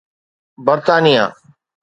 برطانيه